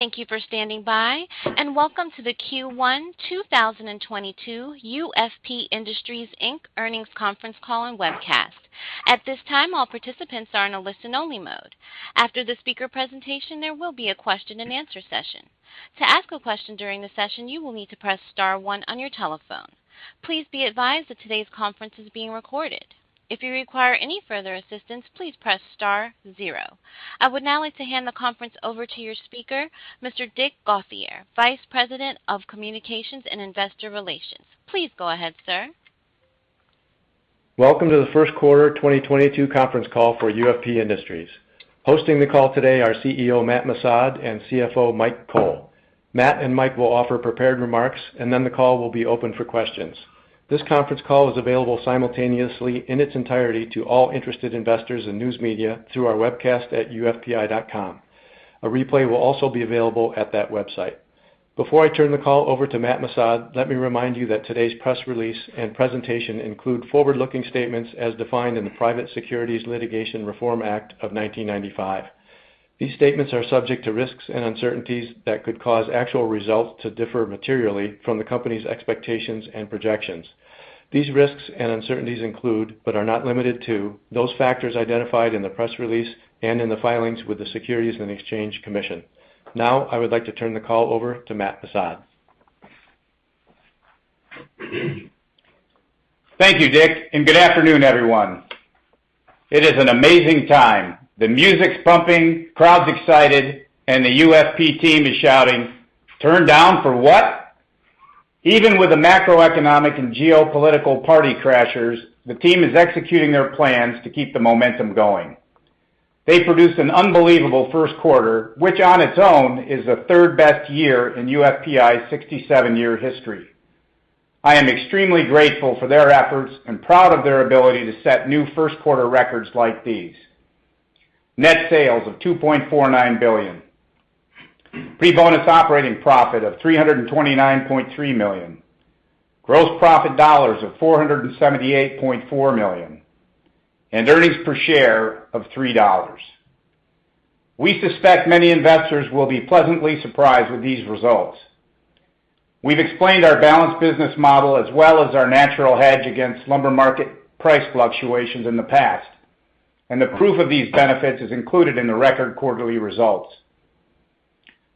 Thank you for standing by, and welcome to the Q1 2022 UFP Industries Inc. Earnings Conference Call and Webcast. At this time, all participants are in a listen-only mode. After the speaker presentation, there will be a question-and-answer session. To ask a question during the session, you will need to press star one on your telephone. Please be advised that today's conference is being recorded. If you require any further assistance, please press star zero. I would now like to hand the conference over to your speaker, Mr. Dick Gauthier, Vice President of Communications and Investor Relations. Please go ahead, sir. Welcome to the First Quarter 2022 Conference Call for UFP Industries. Hosting the call today are CEO Matt Missad and CFO Mike Cole. Matt and Mike will offer prepared remarks, and then the call will be open for questions. This conference call is available simultaneously in its entirety to all interested investors and news media through our webcast at ufpi.com. A replay will also be available at that website. Before I turn the call over to Matt Missad, let me remind you that today's press release and presentation include forward-looking statements as defined in the Private Securities Litigation Reform Act of 1995. These statements are subject to risks and uncertainties that could cause actual results to differ materially from the company's expectations and projections. These risks and uncertainties include, but are not limited to, those factors identified in the press release and in the filings with the Securities and Exchange Commission. Now, I would like to turn the call over to Matt Missad. Thank you, Dick, and good afternoon, everyone. It is an amazing time. The music's pumping, crowd's excited, and the UFP team is shouting, "Turn down for what?" Even with the macroeconomic and geopolitical party crashers, the team is executing their plans to keep the momentum going. They produced an unbelievable first quarter, which on its own is the third-best year in UFPI's 67-year history. I am extremely grateful for their efforts and proud of their ability to set new first-quarter records like these. Net sales of $2.49 billion, pre-bonus operating profit of $329.3 million, gross profit dollars of $478.4 million, and earnings per share of $3. We suspect many investors will be pleasantly surprised with these results. We've explained our balanced business model as well as our natural hedge against lumber market price fluctuations in the past, and the proof of these benefits is included in the record quarterly results.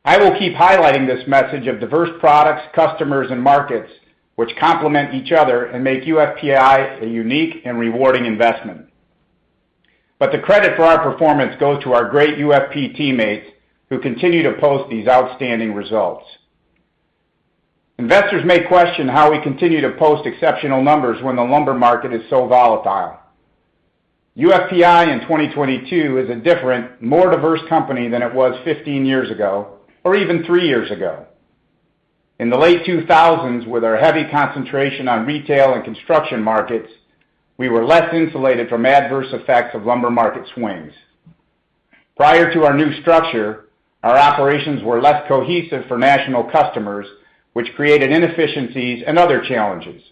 I will keep highlighting this message of diverse products, customers, and markets, which complement each other and make UFPI a unique and rewarding investment. The credit for our performance goes to our great UFP teammates, who continue to post these outstanding results. Investors may question how we continue to post exceptional numbers when the lumber market is so volatile. UFPI in 2022 is a different, more diverse company than it was 15 years ago or even 3 years ago. In the late 2000s, with our heavy concentration on retail and construction markets, we were less insulated from adverse effects of lumber market swings. Prior to our new structure, our operations were less cohesive for national customers, which created inefficiencies and other challenges.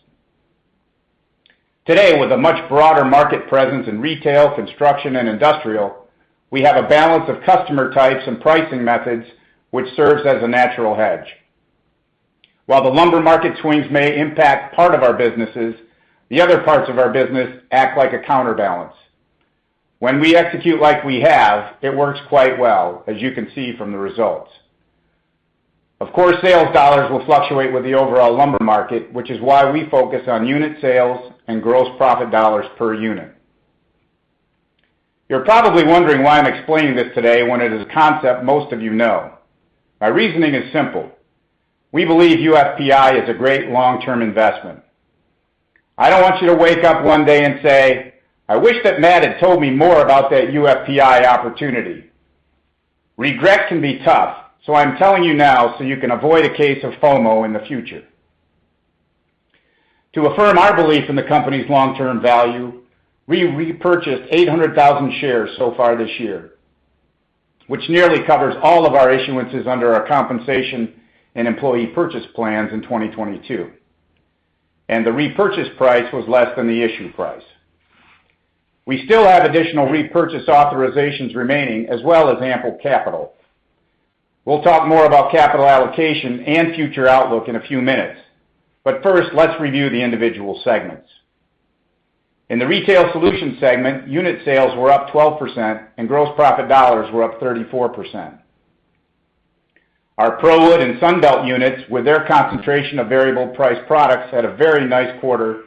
Today, with a much broader market presence in retail, construction, and industrial, we have a balance of customer types and pricing methods, which serves as a natural hedge. While the lumber market swings may impact part of our businesses, the other parts of our business act like a counterbalance. When we execute like we have, it works quite well, as you can see from the results. Of course, sales dollars will fluctuate with the overall lumber market, which is why we focus on unit sales and gross profit dollars per unit. You're probably wondering why I'm explaining this today when it is a concept most of you know. My reasoning is simple. We believe UFPI is a great long-term investment. I don't want you to wake up one day and say, "I wish that Matt had told me more about that UFPI opportunity." Regret can be tough, so I'm telling you now so you can avoid a case of FOMO in the future. To affirm our belief in the company's long-term value, we repurchased 800,000 shares so far this year, which nearly covers all of our issuances under our compensation and employee purchase plans in 2022, and the repurchase price was less than the issue price. We still have additional repurchase authorizations remaining, as well as ample capital. We'll talk more about capital allocation and future outlook in a few minutes, but first, let's review the individual segments. In the Retail Solutions segment, unit sales were up 12%, and gross profit dollars were up 34%. Our ProWood and Sunbelt units, with their concentration of variable-priced products, had a very nice quarter,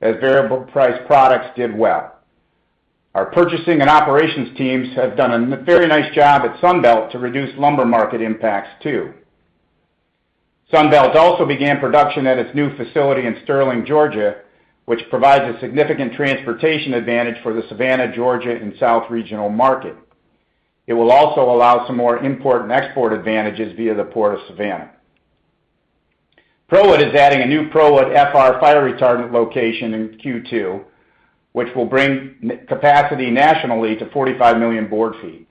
as variable-priced products did well. Our purchasing and operations teams have done a very nice job at Sunbelt to reduce lumber market impacts too. Sunbelt also began production at its new facility in Sterling, Georgia, which provides a significant transportation advantage for the Savannah, Georgia, and South Regional market. It will also allow some more import and export advantages via the Port of Savannah. ProWood is adding a new ProWood FR fire retardant location in Q2, which will bring capacity nationally to 45 million board feet.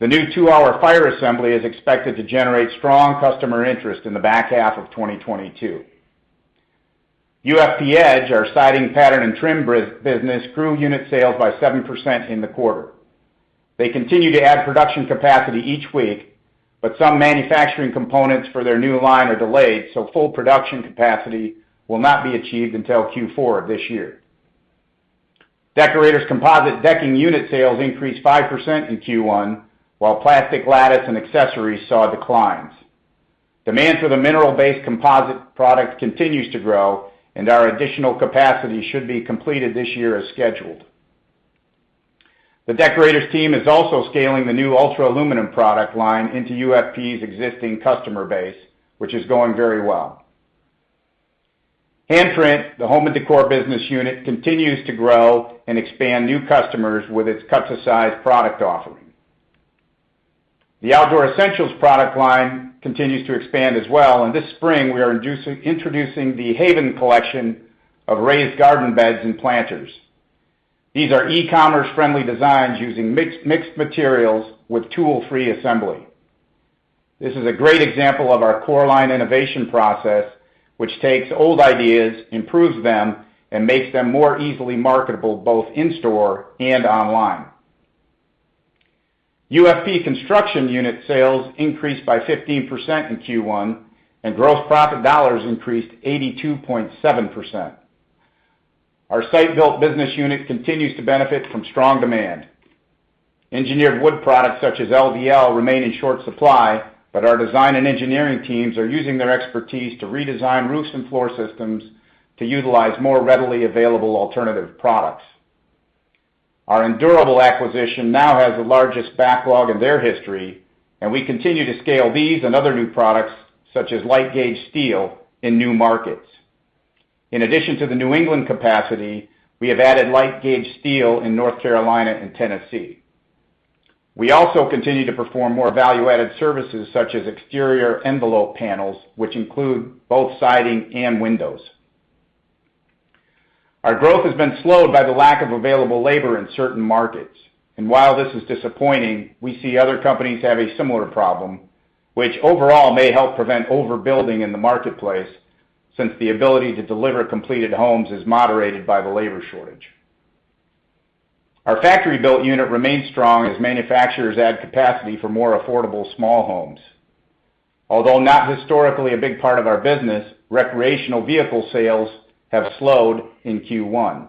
The new two-hour fire assembly is expected to generate strong customer interest in the back half of 2022. UFP-Edge, our Siding Pattern and Trim business, grew unit sales by 7% in the quarter. They continue to add production capacity each week, but some manufacturing components for their new line are delayed, so full production capacity will not be achieved until Q4 of this year. Deckorators composite decking unit sales increased 5% in Q1, while plastic lattice and accessories saw declines. Demand for the mineral-based composite product continues to grow, and our additional capacity should be completed this year as scheduled. The Deckorators team is also scaling the new Ultra Aluminum product line into UFP's existing customer base, which is going very well. Handprint, the Home and Décor business unit, continues to grow and expand new customers with its cut-to-size product offering. The Outdoor Essentials product line continues to expand as well, and this spring, we are introducing the Haven collection of raised garden beds and planters. These are e-commerce-friendly designs using mixed materials with tool-free assembly. This is a great example of our core line innovation process, which takes old ideas, improves them, and makes them more easily marketable both in-store and online. UFP Construction unit sales increased by 15% in Q1, and gross profit dollars increased 82.7%. Our Site-Built business unit continues to benefit from strong demand. Engineered wood products, such as LVL, remain in short supply, but our design and engineering teams are using their expertise to redesign roofs and floor systems to utilize more readily available alternative products. Our Endurable acquisition now has the largest backlog in their history, and we continue to scale these and other new products, such as light gauge steel in new markets. In addition to the New England capacity, we have added light gauge steel in North Carolina and Tennessee. We also continue to perform more value-added services such as exterior envelope panels, which include both siding and windows. Our growth has been slowed by the lack of available labor in certain markets. While this is disappointing, we see other companies have a similar problem, which overall may help prevent overbuilding in the marketplace since the ability to deliver completed homes is moderated by the labor shortage. Our factory-built unit remains strong as manufacturers add capacity for more affordable small homes. Although not historically a big part of our business, recreational vehicle sales have slowed in Q1.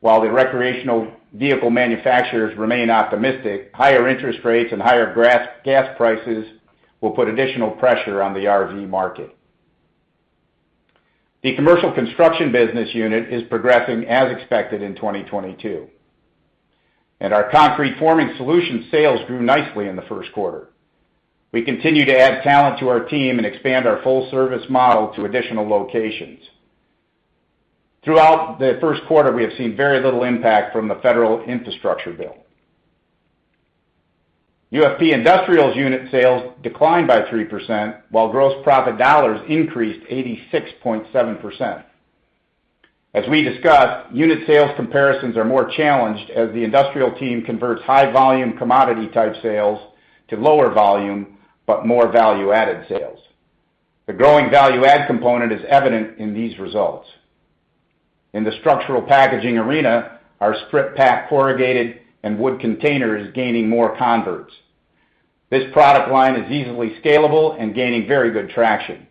While the recreational vehicle manufacturers remain optimistic, higher interest rates and higher gas prices will put additional pressure on the RV market. The Commercial Construction business unit is progressing as expected in 2022. Our concrete forming solution sales grew nicely in the first quarter. We continue to add talent to our team and expand our full service model to additional locations. Throughout the first quarter, we have seen very little impact from the federal infrastructure bill. UFP Industrial unit sales declined by 3%, while gross profit dollars increased 86.7%. As we discussed, unit sales comparisons are more challenged as the industrial team converts high volume, commodity-type sales to lower volume, but more value added sales. The growing value add component is evident in these results. In the structural packaging arena, our Strip-Pak corrugated and wood container is gaining more converts. This product line is easily scalable and gaining very good traction.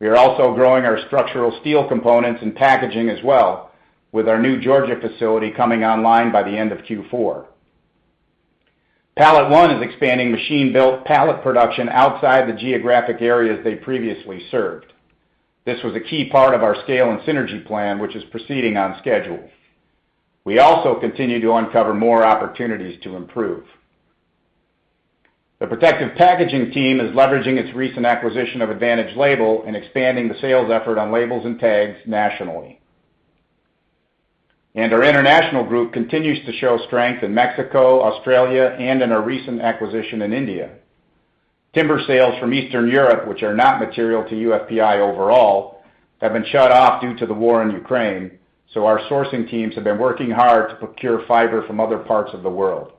We are also growing our structural steel components and packaging as well with our new Georgia facility coming online by the end of Q4. PalletOne is expanding machine-built pallet production outside the geographic areas they previously served. This was a key part of our scale and synergy plan, which is proceeding on schedule. We also continue to uncover more opportunities to improve. The protective packaging team is leveraging its recent acquisition of Advantage Label & Packaging and expanding the sales effort on labels and tags nationally. Our international group continues to show strength in Mexico, Australia, and in our recent acquisition in India. Timber sales from Eastern Europe, which are not material to UFPI overall, have been shut off due to the war in Ukraine, so our sourcing teams have been working hard to procure fiber from other parts of the world.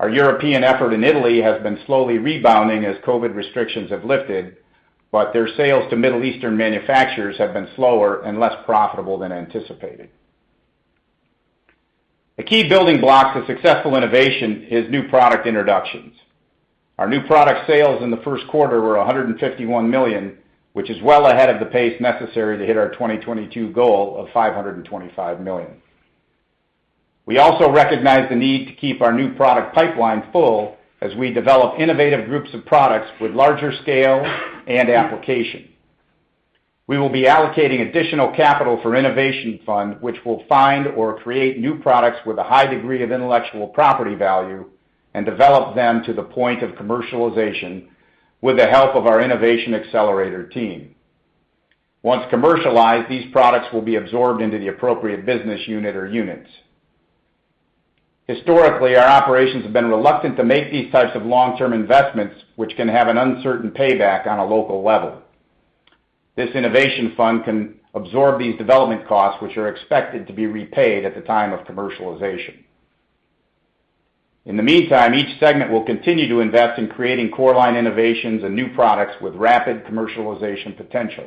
Our European effort in Italy has been slowly rebounding as COVID restrictions have lifted, but their sales to Middle Eastern manufacturers have been slower and less profitable than anticipated. A key building block to successful innovation is new product introductions. Our new product sales in the first quarter were $151 million, which is well ahead of the pace necessary to hit our 2022 goal of $525 million. We also recognize the need to keep our new product pipeline full as we develop innovative groups of products with larger scale and application. We will be allocating additional capital for innovation fund, which will find or create new products with a high degree of intellectual property value and develop them to the point of commercialization with the help of our innovation accelerator team. Once commercialized, these products will be absorbed into the appropriate business unit or units. Historically, our operations have been reluctant to make these types of long-term investments, which can have an uncertain payback on a local level. This innovation fund can absorb these development costs, which are expected to be repaid at the time of commercialization. In the meantime, each segment will continue to invest in creating core line innovations and new products with rapid commercialization potential.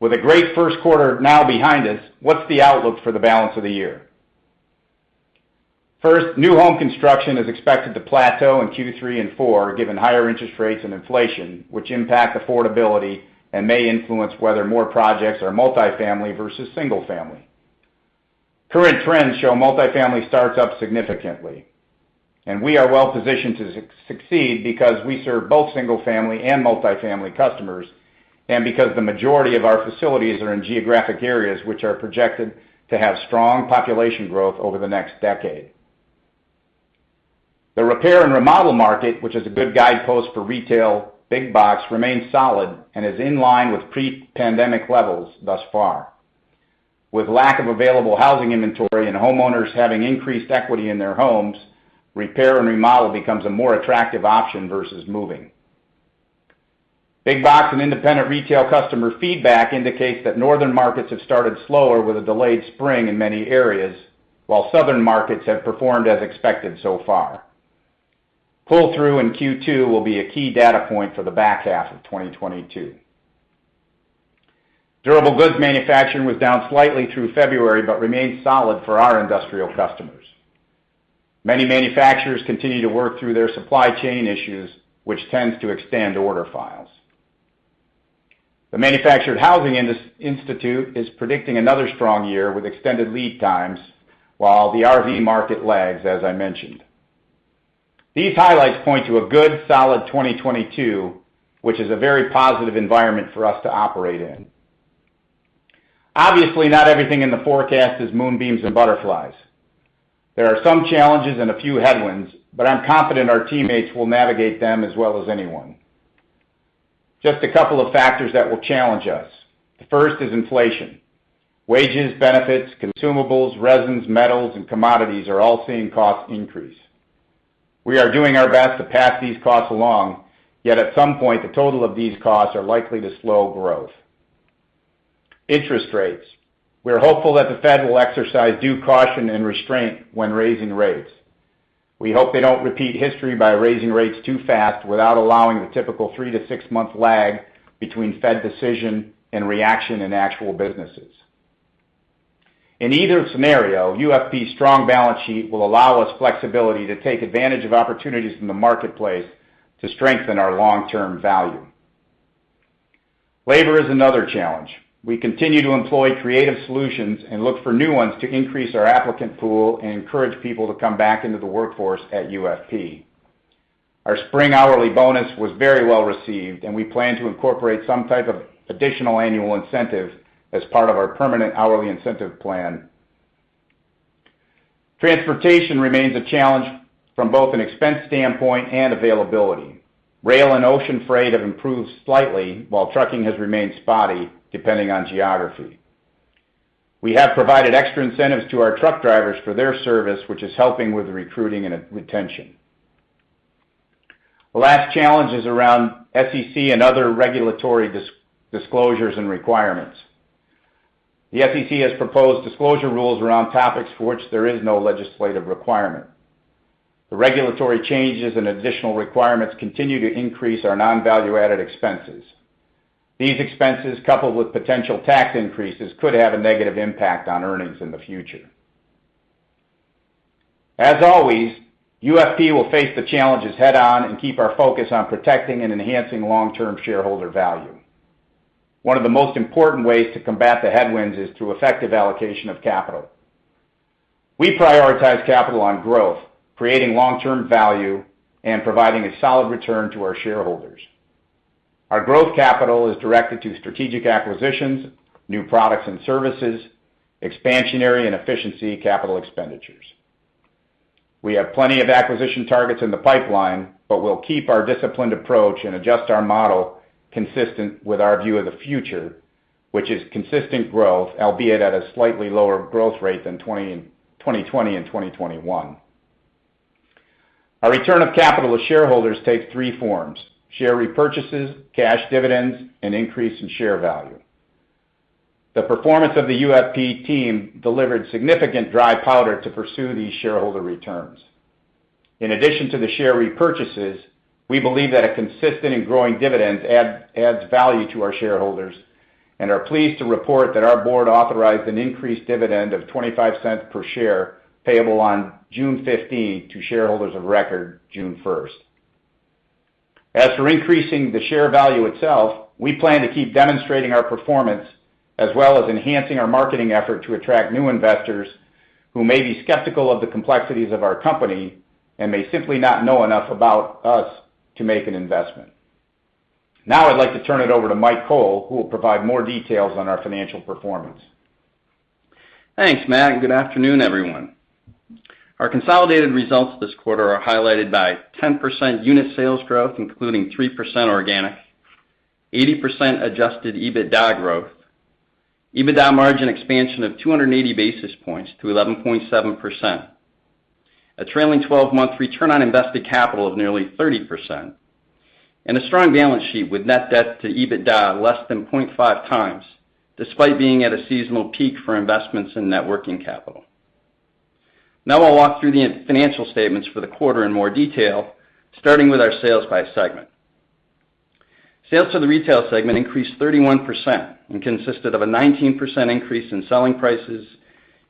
With a great first quarter now behind us, what's the outlook for the balance of the year? First, new home construction is expected to plateau in Q3 and Q4, given higher interest rates and inflation, which impact affordability and may influence whether more projects are multifamily versus single family. Current trends show multifamily starts up significantly, and we are well-positioned to succeed because we serve both single-family and multifamily customers, and because the majority of our facilities are in geographic areas which are projected to have strong population growth over the next decade. The repair and remodel market, which is a good guidepost for retail big box, remains solid and is in line with pre-pandemic levels thus far. With lack of available housing inventory and homeowners having increased equity in their homes, repair and remodel becomes a more attractive option versus moving. Big box and independent retail customer feedback indicates that northern markets have started slower with a delayed spring in many areas, while southern markets have performed as expected so far. Pull through in Q2 will be a key data point for the back half of 2022. Durable goods manufacturing was down slightly through February but remains solid for our industrial customers. Many manufacturers continue to work through their supply chain issues, which tends to extend order files. The Manufactured Housing Institute is predicting another strong year with extended lead times, while the RV market lags, as I mentioned. These highlights point to a good, solid 2022, which is a very positive environment for us to operate in. Obviously, not everything in the forecast is moonbeams and butterflies. There are some challenges and a few headwinds, but I'm confident our teammates will navigate them as well as anyone. Just a couple of factors that will challenge us. The first is inflation. Wages, benefits, consumables, resins, metals, and commodities are all seeing cost increase. We are doing our best to pass these costs along, yet at some point, the total of these costs are likely to slow growth. Interest rates. We're hopeful that the Fed will exercise due caution and restraint when raising rates. We hope they don't repeat history by raising rates too fast without allowing the typical 3-6-month lag between Fed decision and reaction in actual businesses. In either scenario, UFP's strong balance sheet will allow us flexibility to take advantage of opportunities in the marketplace to strengthen our long-term value. Labor is another challenge. We continue to employ creative solutions and look for new ones to increase our applicant pool and encourage people to come back into the workforce at UFP. Our spring hourly bonus was very well-received, and we plan to incorporate some type of additional annual incentive as part of our permanent hourly incentive plan. Transportation remains a challenge from both an expense standpoint and availability. Rail and ocean freight have improved slightly, while trucking has remained spotty depending on geography. We have provided extra incentives to our truck drivers for their service, which is helping with recruiting and retention. The last challenge is around SEC and other regulatory disclosures and requirements. The SEC has proposed disclosure rules around topics for which there is no legislative requirement. The regulatory changes and additional requirements continue to increase our non-value-added expenses. These expenses, coupled with potential tax increases, could have a negative impact on earnings in the future. As always, UFP will face the challenges head-on and keep our focus on protecting and enhancing long-term shareholder value. One of the most important ways to combat the headwinds is through effective allocation of capital. We prioritize capital on growth, creating long-term value, and providing a solid return to our shareholders. Our growth capital is directed to strategic acquisitions, new products and services, expansionary and efficiency capital expenditures. We have plenty of acquisition targets in the pipeline, but we'll keep our disciplined approach and adjust our model consistent with our view of the future, which is consistent growth, albeit at a slightly lower growth rate than 2020 and 2021. Our return of capital to shareholders takes three forms. Share repurchases, cash dividends, and increase in share value. The performance of the UFP team delivered significant dry powder to pursue these shareholder returns. In addition to the share repurchases, we believe that a consistent and growing dividend adds value to our shareholders and are pleased to report that our board authorized an increased dividend of $0.25 per share payable on June 15 to shareholders of record June 1. As for increasing the share value itself, we plan to keep demonstrating our performance as well as enhancing our marketing effort to attract new investors who may be skeptical of the complexities of our company and may simply not know enough about us to make an investment. Now I'd like to turn it over to Mike Cole, who will provide more details on our financial performance. Thanks, Matt, and good afternoon, everyone. Our consolidated results this quarter are highlighted by 10% unit sales growth, including 3% organic, 80% adjusted EBITDA growth, EBITDA margin expansion of 280 basis points to 11.7%, a trailing 12-month return on invested capital of nearly 30%. A strong balance sheet with net debt to EBITDA less than 0.5 times, despite being at a seasonal peak for investments in net working capital. Now I'll walk through the financial statements for the quarter in more detail, starting with our sales by segment. Sales to the Retail segment increased 31% and consisted of a 19% increase in selling prices,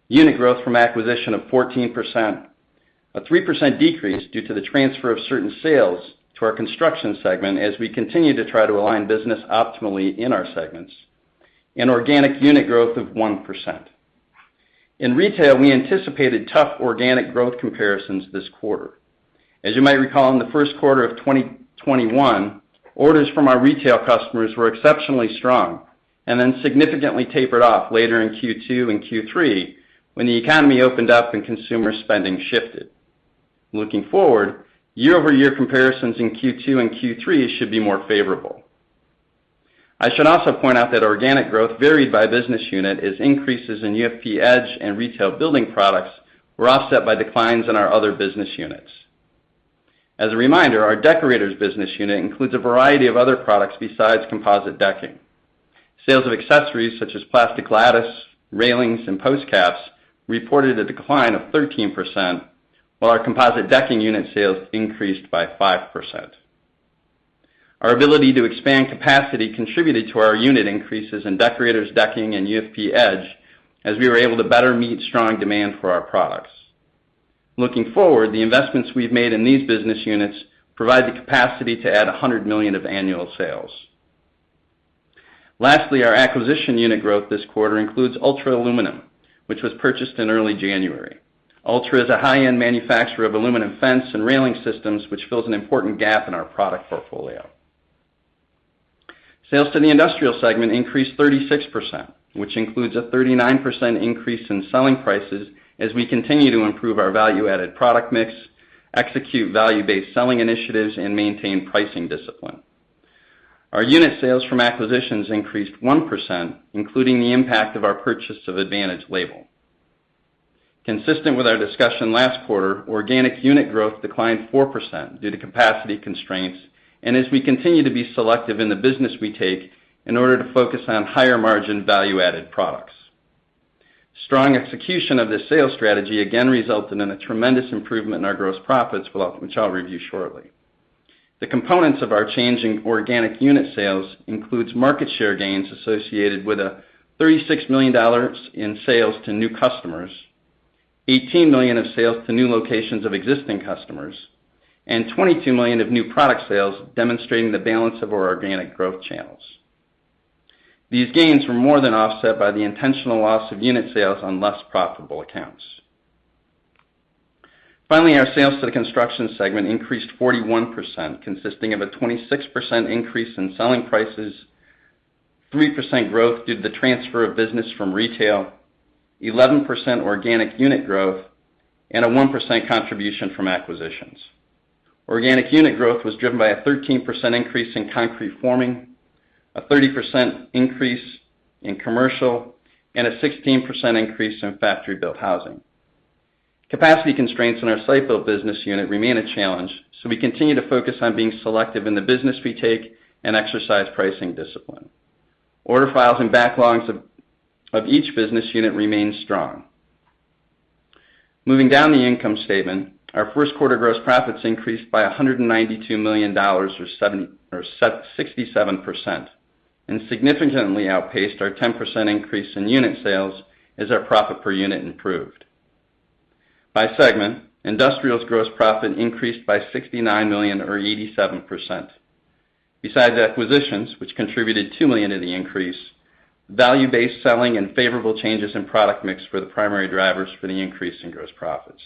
unit growth from acquisition of 14%, a 3% decrease due to the transfer of certain sales to our Construction segment as we continue to try to align business optimally in our segments, and organic unit growth of 1%. In Retail, we anticipated tough organic growth comparisons this quarter. As you might recall, in the first quarter of 2021, orders from our Retail customers were exceptionally strong and then significantly tapered off later in Q2 and Q3 when the economy opened up and consumer spending shifted. Looking forward, year-over-year comparisons in Q2 and Q3 should be more favorable. I should also point out that organic growth varied by business unit as increases in UFP-Edge and retail building products were offset by declines in our other business units. As a reminder, our Deckorators business unit includes a variety of other products besides composite decking. Sales of accessories such as plastic lattice, railings, and post caps reported a decline of 13%, while our composite decking unit sales increased by 5%. Our ability to expand capacity contributed to our unit increases in Deckorators decking and UFP-Edge as we were able to better meet strong demand for our products. Looking forward, the investments we've made in these business units provide the capacity to add $100 million of annual sales. Lastly, our acquisition unit growth this quarter includes Ultra Aluminum, which was purchased in early January. Ultra is a high-end manufacturer of aluminum fence and railing systems, which fills an important gap in our product portfolio. Sales to the Industrial segment increased 36%, which includes a 39% increase in selling prices as we continue to improve our value-added product mix, execute value-based selling initiatives, and maintain pricing discipline. Our unit sales from acquisitions increased 1%, including the impact of our purchase of Advantage Label. Consistent with our discussion last quarter, organic unit growth declined 4% due to capacity constraints and as we continue to be selective in the business we take in order to focus on higher-margin, value-added products. Strong execution of this sales strategy again resulted in a tremendous improvement in our gross profits, which I'll review shortly. The components of our change in organic unit sales includes market share gains associated with $36 million in sales to new customers, $18 million of sales to new locations of existing customers, and $22 million of new product sales demonstrating the balance of our organic growth channels. These gains were more than offset by the intentional loss of unit sales on less profitable accounts. Our sales to the Construction segment increased 41%, consisting of a 26% increase in selling prices, 3% growth due to the transfer of business from Retail, 11% organic unit growth, and a 1% contribution from acquisitions. Organic unit growth was driven by a 13% increase in concrete forming, a 30% increase in commercial, and a 16% increase in factory-built housing. Capacity constraints in our Site Built business unit remain a challenge, so we continue to focus on being selective in the business we take and exercise pricing discipline. Order files and backlogs of each business unit remain strong. Moving down the income statement, our first quarter gross profits increased by $192 million or 67% and significantly outpaced our 10% increase in unit sales as our profit per unit improved. By segment, Industrial's gross profit increased by $69 million or 87%. Besides acquisitions, which contributed $2 million of the increase, value-based selling and favorable changes in product mix were the primary drivers for the increase in gross profits.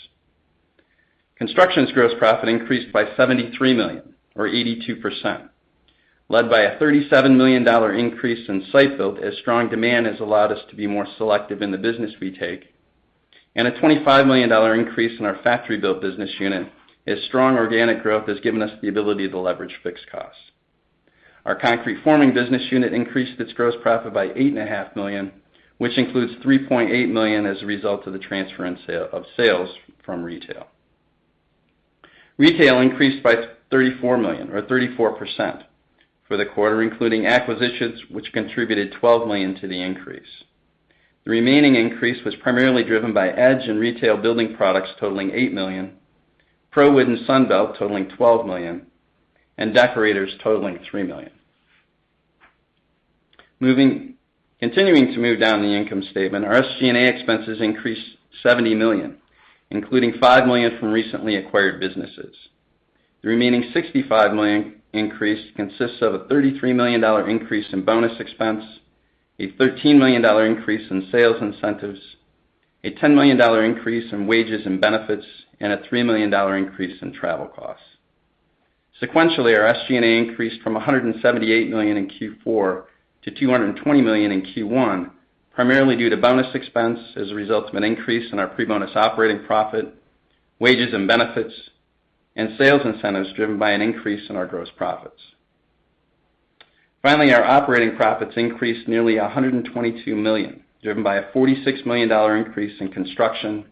Construction's gross profit increased by $73 million or 82%, led by a $37 million increase in Site-Built as strong demand has allowed us to be more selective in the business we take, and a $25 million increase in our factory-built business unit as strong organic growth has given us the ability to leverage fixed costs. Our Concrete Forming business unit increased its gross profit by $8.5 million, which includes $3.8 million as a result of the transfer and sale of sales from Retail. Retail increased by $34 million or 34% for the quarter, including acquisitions which contributed $12 million to the increase. The remaining increase was primarily driven by Edge and retail building products totaling $8 million, ProWood and Sunbelt totaling $12 million, and Deckorators totaling $3 million. Continuing to move down the income statement, our SG&A expenses increased $70 million, including $5 million from recently acquired businesses. The remaining $65 million increase consists of a $33 million increase in bonus expense, a $13 million increase in sales incentives, a $10 million increase in wages and benefits, and a $3 million increase in travel costs. Sequentially, our SG&A increased from $178 million in Q4 to $220 million in Q1, primarily due to bonus expense as a result of an increase in our pre-bonus operating profit, wages and benefits, and sales incentives driven by an increase in our gross profits. Finally, our operating profits increased nearly $122 million, driven by a $46 million increase in construction,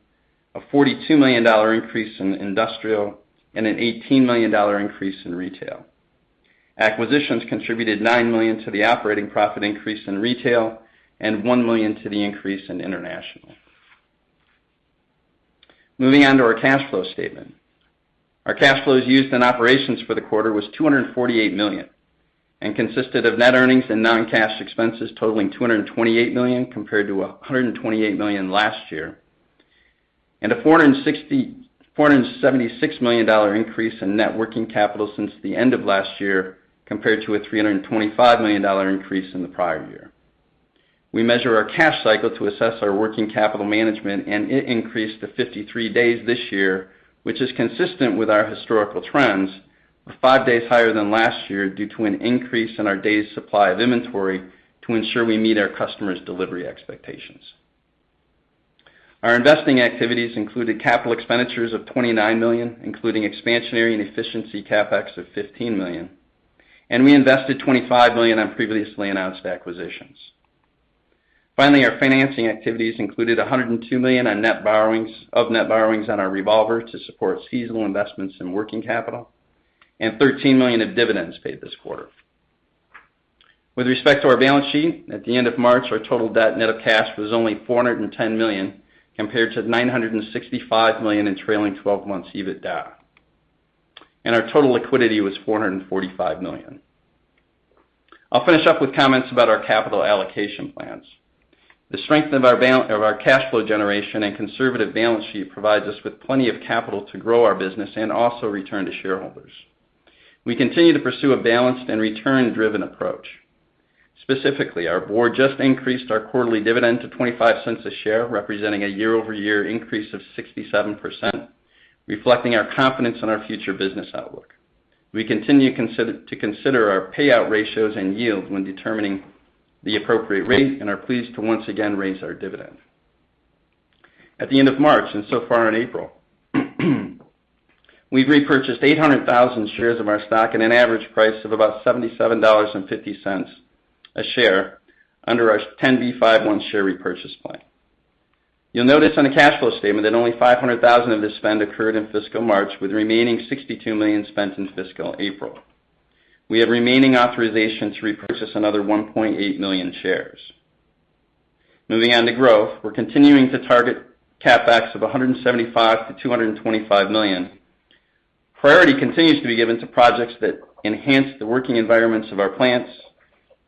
a $42 million increase in industrial, and an $18 million increase in retail. Acquisitions contributed $9 million to the operating profit increase in retail and $1 million to the increase in international. Moving on to our cash flow statement. Our cash flows used in operations for the quarter was $248 million and consisted of net earnings and non-cash expenses totaling $228 million compared to $128 million last year. A $476 million increase in net working capital since the end of last year compared to a $325 million increase in the prior year. We measure our cash cycle to assess our working capital management, and it increased to 53 days this year, which is consistent with our historical trends, but 5 days higher than last year due to an increase in our days supply of inventory to ensure we meet our customers' delivery expectations. Our investing activities included capital expenditures of $29 million, including expansionary and efficiency CapEx of $15 million, and we invested $25 million on previously announced acquisitions. Finally, our financing activities included $102 million on net borrowings on our revolver to support seasonal investments in working capital and $13 million of dividends paid this quarter. With respect to our balance sheet, at the end of March, our total debt net of cash was only $410 million compared to $965 million in trailing 12-months EBITDA. Our total liquidity was $445 million. I'll finish up with comments about our capital allocation plans. The strength of our cash flow generation and conservative balance sheet provides us with plenty of capital to grow our business and also return to shareholders. We continue to pursue a balanced and return-driven approach. Specifically, our board just increased our quarterly dividend to $0.25 a share, representing a year-over-year increase of 67%, reflecting our confidence in our future business outlook. We continue to consider our payout ratios and yields when determining the appropriate rate and are pleased to once again raise our dividend. At the end of March and so far in April, we've repurchased 800,000 shares of our stock at an average price of about $77.50 a share under our 10B5-1 share repurchase plan. You'll notice on the cash flow statement that only $500,000 of this spend occurred in fiscal March, with the remaining $62 million spent in fiscal April. We have remaining authorization to repurchase another 1.8 million shares. Moving on to growth, we're continuing to target CapEx of $175 million-$225 million. Priority continues to be given to projects that enhance the working environments of our plants,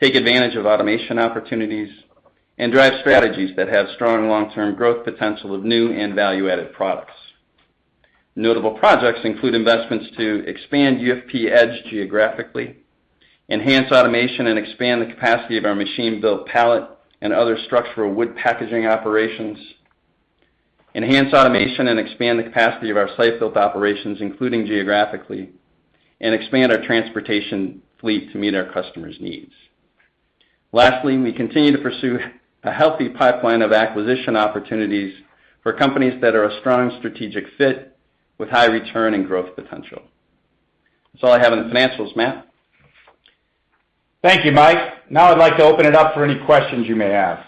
take advantage of automation opportunities, and drive strategies that have strong long-term growth potential of new and value-added products. Notable projects include investments to expand UFP-Edge geographically, enhance automation, and expand the capacity of our machine-built pallet and other structural wood packaging operations, enhance automation, and expand the capacity of our site-built operations, including geographically, and expand our transportation fleet to meet our customers' needs. Lastly, we continue to pursue a healthy pipeline of acquisition opportunities for companies that are a strong strategic fit with high return and growth potential. That's all I have on the financials. Matt? Thank you, Mike. Now I'd like to open it up for any questions you may have.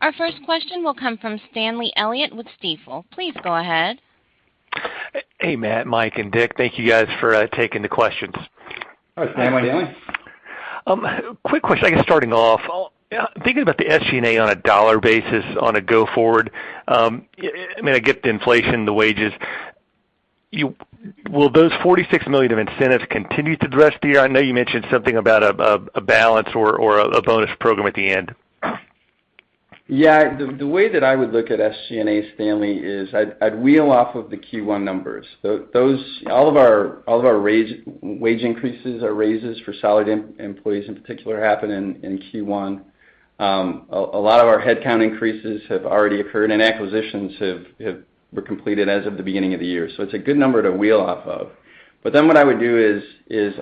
Our first question will come from Stanley Elliott with Stifel. Please go ahead. Hey, Matt, Mike, and Dick. Thank you guys for taking the questions. Hi, Stanley. How are you doing? Quick question, I guess, starting off. Thinking about the SG&A on a dollar basis going forward, I mean, I get the inflation, the wages. Will those $46 million of incentives continue across the year? I know you mentioned something about a balanced bonus program at the end. Yeah. The way that I would look at SG&A, Stanley, is I'd roll off of the Q1 numbers. Those. All of our wage increases or raises for salaried employees in particular happen in Q1. A lot of our headcount increases have already occurred and acquisitions were completed as of the beginning of the year. It's a good number to roll off of. Then what I would do is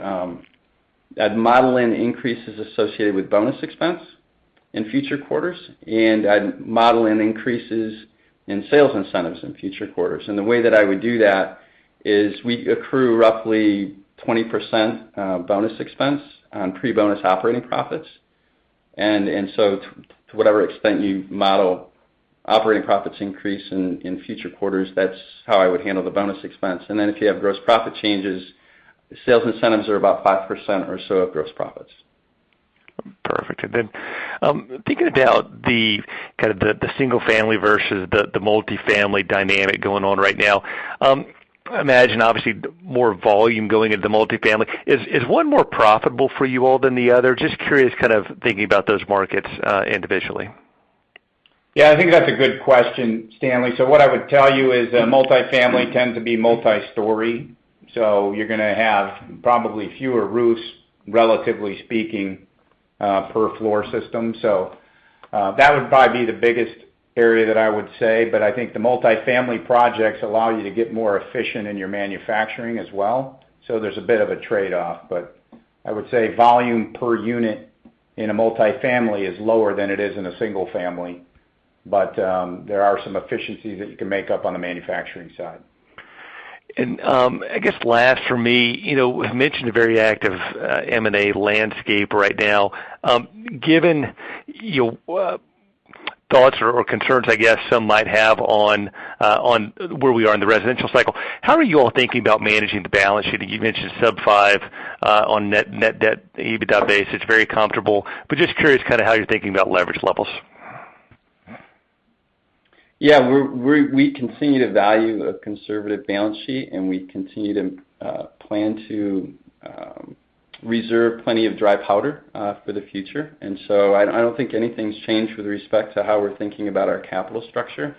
I'd model in increases associated with bonus expense in future quarters, and I'd model in increases in sales incentives in future quarters. The way that I would do that is we accrue roughly 20% bonus expense on pre-bonus operating profits. To whatever extent you model operating profits increase in future quarters, that's how I would handle the bonus expense. If you have gross profit changes, sales incentives are about 5% or so of gross profits. Perfect. Then, thinking about the single-family versus the multifamily dynamic going on right now, I imagine obviously more volume going into the multifamily. Is one more profitable for you all than the other? Just curious, kind of thinking about those markets, individually. Yeah, I think that's a good question, Stanley. What I would tell you is that multifamily tends to be multi-story, so you're gonna have probably fewer roofs, relatively speaking, per floor system. That would probably be the biggest area that I would say, but I think the multifamily projects allow you to get more efficient in your manufacturing as well. There's a bit of a trade-off, but I would say volume per unit in a multifamily is lower than it is in a single family. There are some efficiencies that you can make up on the manufacturing side. I guess last for me, you know, you mentioned a very active M&A landscape right now. Given your thoughts or concerns I guess some might have on where we are in the residential cycle, how are you all thinking about managing the balance sheet? You mentioned sub-five on net debt EBITDA base, it's very comfortable. But just curious kinda how you're thinking about leverage levels. Yeah. We continue to value a conservative balance sheet, and we continue to plan to reserve plenty of dry powder for the future. I don't think anything's changed with respect to how we're thinking about our capital structure.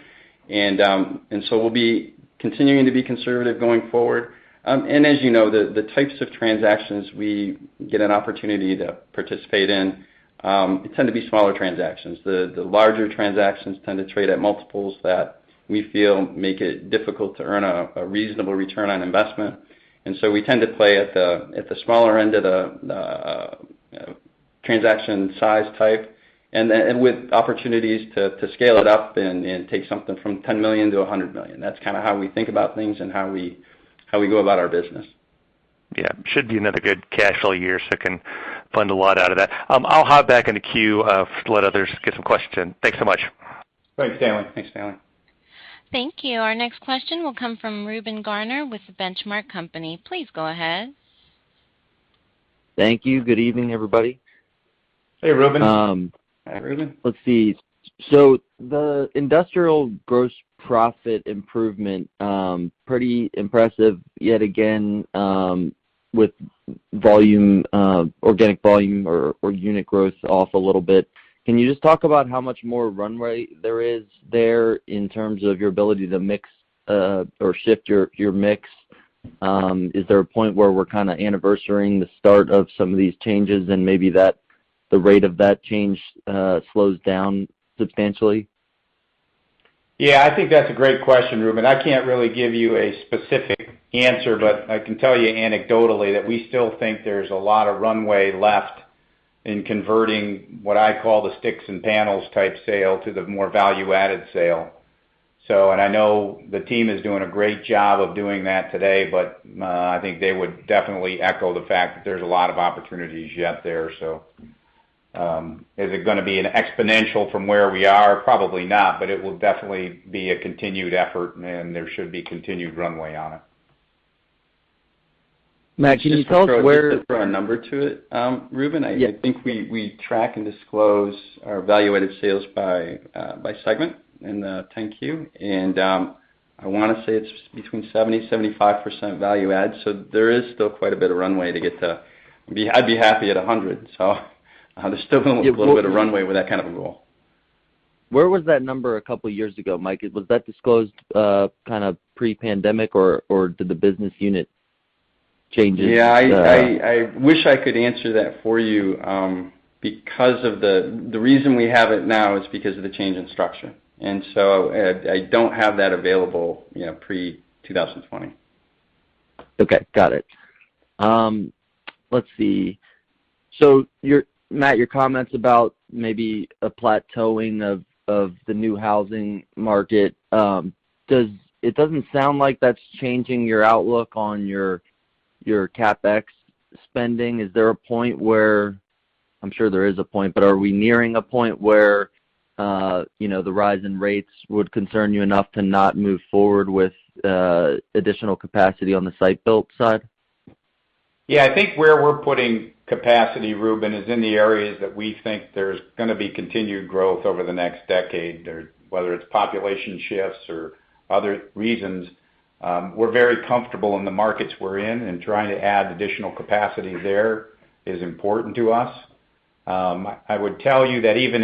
We'll be continuing to be conservative going forward. As you know, the types of transactions we get an opportunity to participate in tend to be smaller transactions. The larger transactions tend to trade at multiples that we feel make it difficult to earn a reasonable return on investment. We tend to play at the smaller end of the transaction size type with opportunities to scale it up and take something from 10 million-100 million. That's kinda how we think about things and how we go about our business. Yeah. Should be another good cash flow year, so can fund a lot out of that. I'll hop back in the queue, to let others get some questions in. Thanks so much. Thanks, Stanley. Thank you. Our next question will come from Reuben Garner with The Benchmark Company. Please go ahead. Thank you. Good evening, everybody. Hey, Reuben. Hi, Reuben. Let's see. The industrial gross profit improvement pretty impressive yet again with volume organic volume or unit growth off a little bit. Can you just talk about how much more runway there is there in terms of your ability to mix or shift your mix? Is there a point where we're kinda anniversarying the start of some of these changes and maybe that the rate of that change slows down substantially? Yeah, I think that's a great question, Reuben. I can't really give you a specific answer, but I can tell you anecdotally that we still think there's a lot of runway left in converting what I call the sticks and panels type sale to the more value-added sale. I know the team is doing a great job of doing that today, but I think they would definitely echo the fact that there's a lot of opportunities yet there. Is it gonna be an exponential from where we are? Probably not, but it will definitely be a continued effort, and there should be continued runway on it. Matt, can you tell us where? Just to throw a number to it, Reuben. Yeah. I think we track and disclose our value-added sales by segment in the 10-Q. I wanna say it's between 70%-75% value add, so there is still quite a bit of runway to get to. I'd be happy at a 100. There's still a little bit of runway with that kind of a goal. Where was that number a couple years ago, Mike? Was that disclosed, kind of pre-pandemic or did the business unit changes, Yeah. I wish I could answer that for you. The reason we have it now is because of the change in structure. I don't have that available, you know, pre-2020. Okay. Got it. Let's see. Matt, your comments about maybe a plateauing of the new housing market. It doesn't sound like that's changing your outlook on your CapEx spending. Is there a point where I'm sure there is a point, but are we nearing a point where you know, the rise in rates would concern you enough to not move forward with additional capacity on the Site Built side? Yeah. I think where we're putting capacity, Reuben, is in the areas that we think there's gonna be continued growth over the next decade there. Whether it's population shifts or other reasons, we're very comfortable in the markets we're in, and trying to add additional capacity there is important to us. I would tell you that even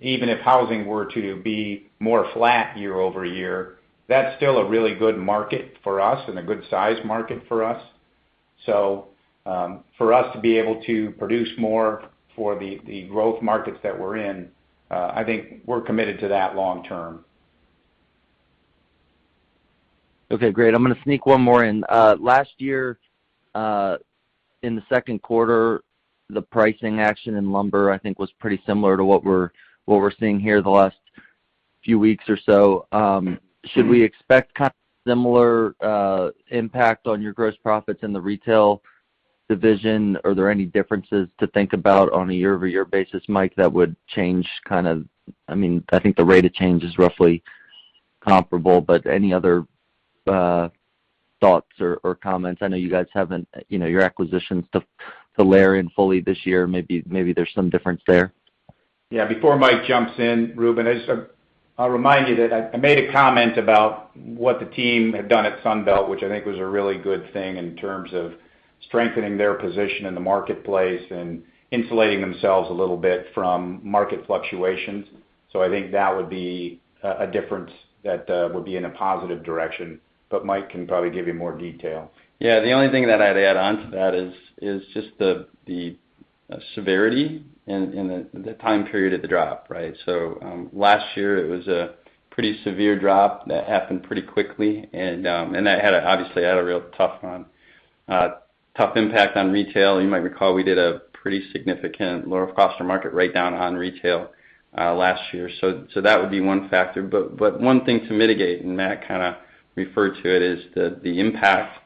if housing were to be more flat year-over-year, that's still a really good market for us and a good size market for us. For us to be able to produce more for the growth markets that we're in, I think we're committed to that long term. Okay, great. I'm gonna sneak one more in. Last year, in the second quarter, the pricing action in lumber, I think, was pretty similar to what we're seeing here the last few weeks or so. Should we expect kind of similar impact on your gross profits in the retail division? Are there any differences to think about on a year-over-year basis, Mike, that would change kind of. I mean, I think the rate of change is roughly comparable, but any other thoughts or comments? I know you guys haven't, you know, your acquisitions to layer in fully this year. Maybe there's some difference there. Yeah. Before Mike jumps in, Reuben, I just, I'll remind you that I made a comment about what the team had done at Sunbelt, which I think was a really good thing in terms of strengthening their position in the marketplace and insulating themselves a little bit from market fluctuations. So I think that would be a difference that would be in a positive direction, but Mike can probably give you more detail. Yeah. The only thing that I'd add onto that is just the severity and the time period of the drop, right? Last year, it was a pretty severe drop that happened pretty quickly, and that obviously had a real tough impact on retail. You might recall we did a pretty significant lower of cost or market write-down on retail last year. That would be one factor. But one thing to mitigate, and Matt kinda referred to it, is the impact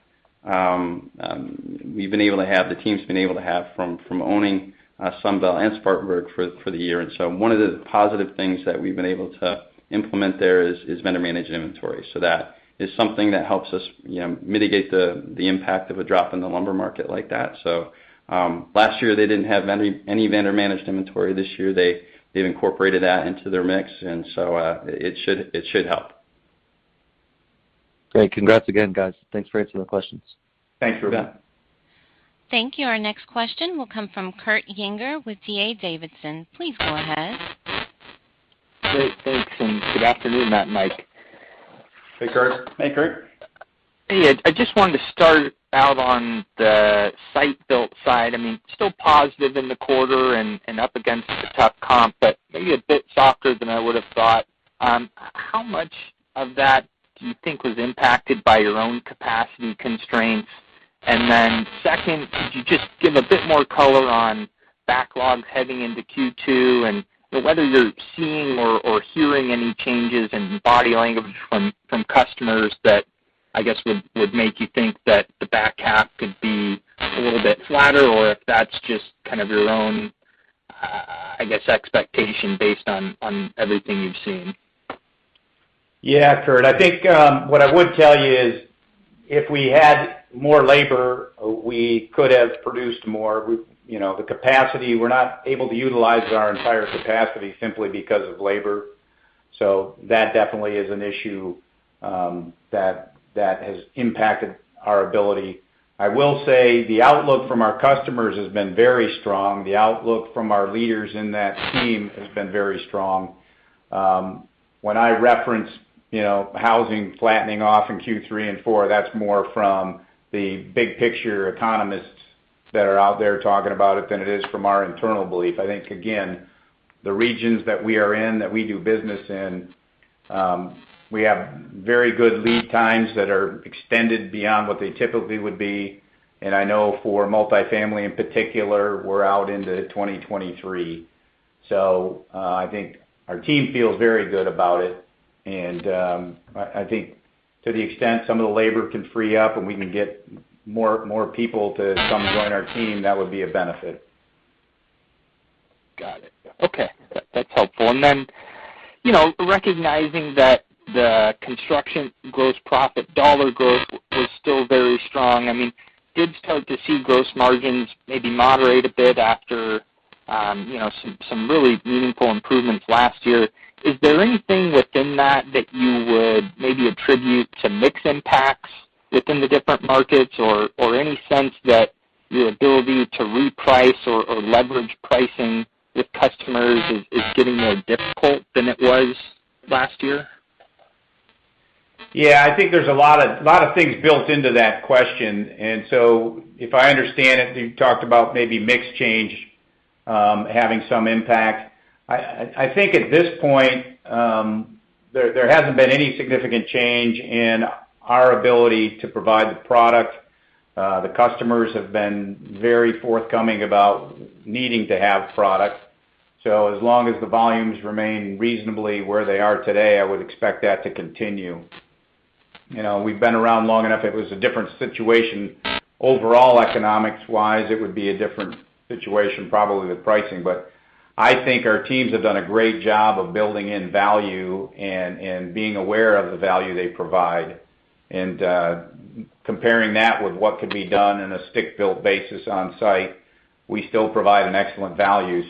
we've been able to have, the team's been able to have from owning Sunbelt and Spartanburg for the year. One of the positive things that we've been able to implement there is vendor-managed inventory. That is something that helps us, you know, mitigate the impact of a drop in the lumber market like that. Last year, they didn't have any vendor-managed inventory. This year, they've incorporated that into their mix. It should help. Great. Congrats again, guys. Thanks for answering the questions. Thanks, Reuben. Thanks. Thank you. Our next question will come from Kurt Yinger with D.A. Davidson. Please go ahead. Great. Thanks, and good afternoon, Matt and Mike. Hey, Kurt. Hey, Kurt. Hey. I just wanted to start out on the Site-Built side. I mean, still positive in the quarter and up against a tough comp, but maybe a bit softer than I would have thought. How much of that do you think was impacted by your own capacity constraints? Second, could you just give a bit more color on backlogs heading into Q2 and whether you're seeing or hearing any changes in body language from customers that, I guess, would make you think that the back half could be a little bit flatter, or if that's just kind of your own, I guess, expectation based on everything you've seen? Yeah, Kurt. I think what I would tell you is if we had more labor, we could have produced more. You know, the capacity, we're not able to utilize our entire capacity simply because of labor. So that definitely is an issue that has impacted our ability. I will say the outlook from our customers has been very strong. The outlook from our leaders in that team has been very strong. When I reference, you know, housing flattening off in Q3 and 4, that's more from the big picture economists that are out there talking about it than it is from our internal belief. I think, again, the regions that we are in, that we do business in, we have very good lead times that are extended beyond what they typically would be. I know for multifamily, in particular, we're out into 2023. I think our team feels very good about it, and I think to the extent some of the labor can free up and we can get more people to come join our team, that would be a benefit. Got it. Okay. That, that's helpful. You know, recognizing that the construction gross profit dollar growth is still very strong, I mean, did start to see gross margins maybe moderate a bit after you know, some really meaningful improvements last year. Is there anything within that that you would maybe attribute to mix impacts within the different markets or any sense that the ability to reprice or leverage pricing with customers is getting more difficult than it was last year? Yeah. I think there's a lot of things built into that question. If I understand it, you talked about maybe mix change having some impact. I think at this point, there hasn't been any significant change in our ability to provide the product. The customers have been very forthcoming about needing to have product. As long as the volumes remain reasonably where they are today, I would expect that to continue. You know, we've been around long enough. If it was a different situation overall, economics-wise, it would be a different situation, probably the pricing. I think our teams have done a great job of building in value and being aware of the value they provide. Comparing that with what could be done in a stick-built basis on site, we still provide an excellent value.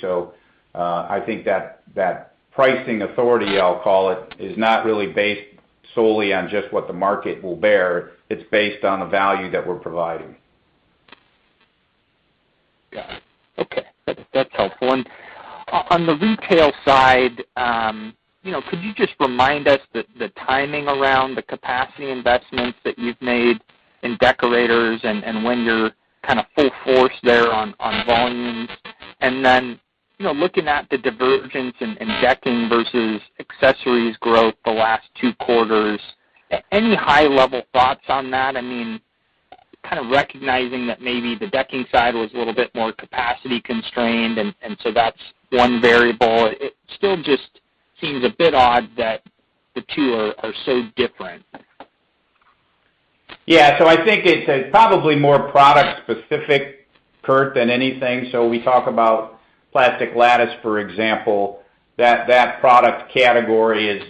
I think that pricing authority, I'll call it, is not really based solely on just what the market will bear. It's based on the value that we're providing. Got it. Okay. That's helpful. On the retail side, you know, could you just remind us the timing around the capacity investments that you've made in Deckorators and when you're kind of full force there on volumes? You know, looking at the divergence in decking versus accessories growth the last two quarters, any high-level thoughts on that? I mean, kind of recognizing that maybe the decking side was a little bit more capacity constrained, and so that's one variable. It still just seems a bit odd that the two are so different. Yeah. I think it's probably more product-specific, Kurt, than anything. We talk about plastic lattice, for example. That product category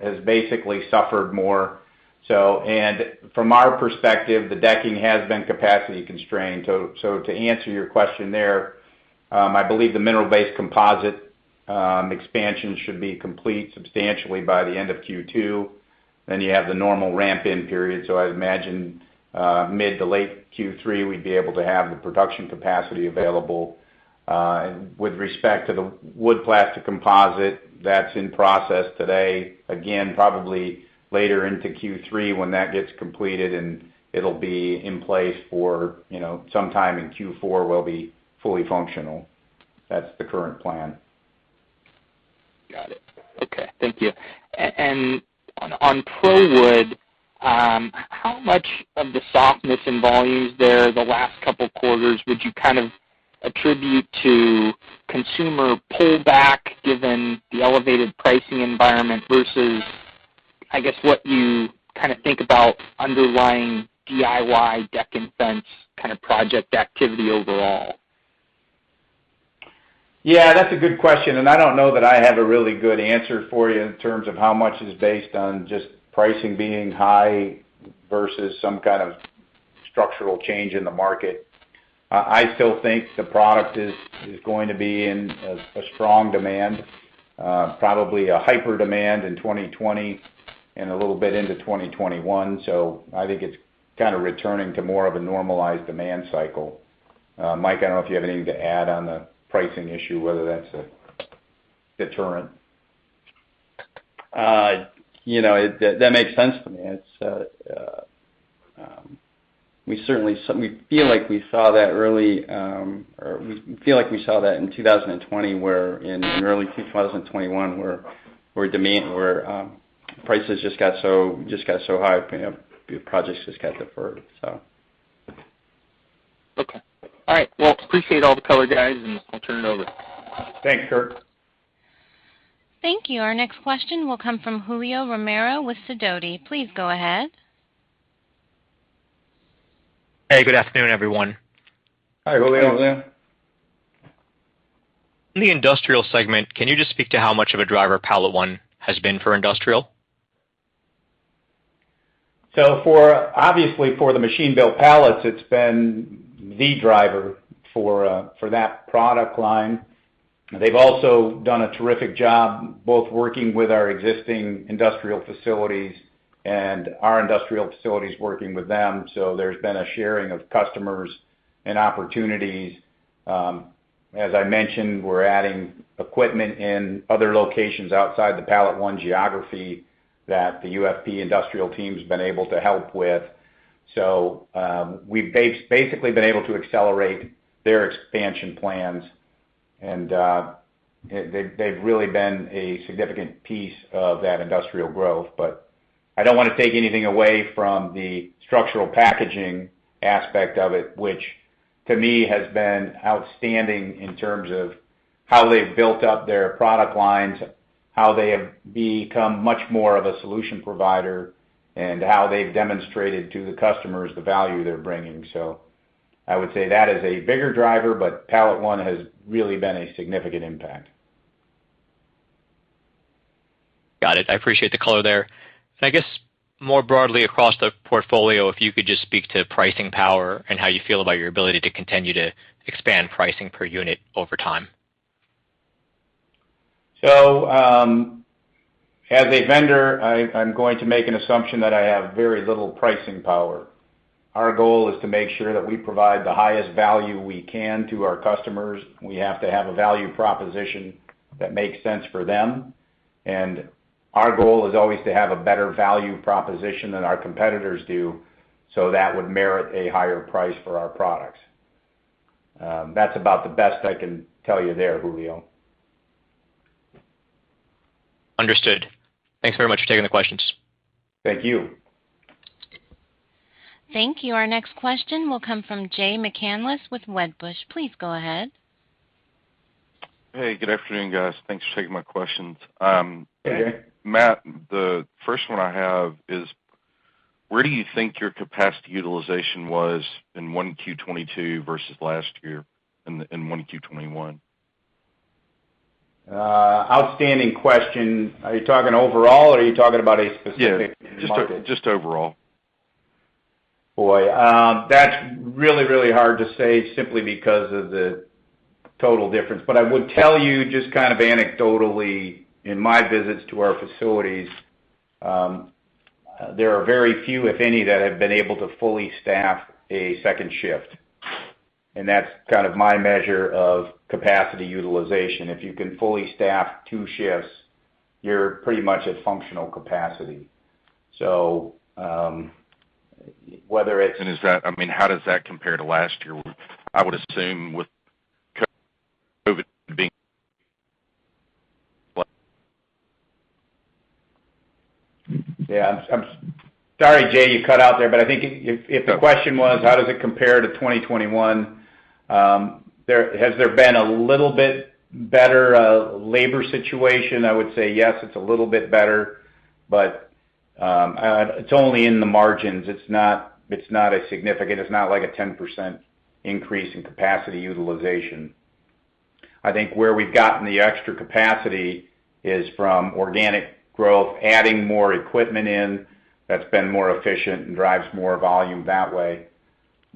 has basically suffered more. From our perspective, the decking has been capacity constrained. To answer your question there, I believe the mineral-based composite expansion should be complete substantially by the end of Q2. You have the normal ramp-in period. I'd imagine mid to late Q3, we'd be able to have the production capacity available. And with respect to the wood plastic composite that's in process today, again, probably later into Q3 when that gets completed and it'll be in place for, you know, sometime in Q4 will be fully functional. That's the current plan. Got it. Okay. Thank you. On ProWood, how much of the softness in volumes there the last couple of quarters would you kind of attribute to consumer pullback, given the elevated pricing environment versus, I guess, what you kinda think about underlying DIY deck and fence kind of project activity overall? Yeah, that's a good question, and I don't know that I have a really good answer for you in terms of how much is based on just pricing being high versus some kind of structural change in the market. I still think the product is going to be in a strong demand, probably a hyper demand in 2020 and a little bit into 2021. I think it's kind of returning to more of a normalized demand cycle. Mike, I don't know if you have anything to add on the pricing issue, whether that's a deterrent. You know, that makes sense to me. We feel like we saw that early in 2020, where in early 2021 prices just got so high, you know, the projects just got deferred. Okay. All right. Well, appreciate all the color, guys, and I'll turn it over. Thanks, Kurt. Thank you. Our next question will come from Julio Romero with Sidoti. Please go ahead. Hey, good afternoon, everyone. Hi, Julio. Hi, Julio. In the Industrial segment, can you just speak to how much of a driver PalletOne has been for industrial? Obviously, for the machine built pallets, it's been the driver for that product line. They've also done a terrific job both working with our existing industrial facilities and our industrial facilities working with them. There's been a sharing of customers and opportunities. As I mentioned, we're adding equipment in other locations outside the PalletOne geography that the UFP Industrial team's been able to help with. We've basically been able to accelerate their expansion plans, and they've really been a significant piece of that industrial growth. I don't wanna take anything away from the structural packaging aspect of it, which to me has been outstanding in terms of how they've built up their product lines, how they have become much more of a solution provider, and how they've demonstrated to the customers the value they're bringing. I would say that is a bigger driver, but PalletOne has really been a significant impact. Got it. I appreciate the color there. I guess more broadly across the portfolio, if you could just speak to pricing power and how you feel about your ability to continue to expand pricing per unit over time? As a vendor, I'm going to make an assumption that I have very little pricing power. Our goal is to make sure that we provide the highest value we can to our customers. We have to have a value proposition that makes sense for them, and our goal is always to have a better value proposition than our competitors do, so that would merit a higher price for our products. That's about the best I can tell you there, Julio. Understood. Thanks very much for taking the questions. Thank you. Thank you. Our next question will come from Jay McCanless with Wedbush. Please go ahead. Hey, good afternoon, guys. Thanks for taking my questions. Hey, Jay. Matt, the first one I have is, where do you think your capacity utilization was in 1Q 2022 versus last year in 1Q 2021? Outstanding question. Are you talking overall, or are you talking about a specific- Yeah. Just overall. Boy, that's really, really hard to say simply because of the total difference. I would tell you just kind of anecdotally in my visits to our facilities, there are very few, if any, that have been able to fully staff a second shift, and that's kind of my measure of capacity utilization. If you can fully staff two shifts, you're pretty much at functional capacity. whether it's- Is that, I mean, how does that compare to last year? I would assume with COVID being Yeah. I'm sorry, Jay, you cut out there. I think if the question was, how does it compare to 2021, has there been a little bit better labor situation? I would say yes, it's a little bit better, but it's only in the margins. It's not as significant. It's not like a 10% increase in capacity utilization. I think where we've gotten the extra capacity is from organic growth, adding more equipment in that's been more efficient and drives more volume that way.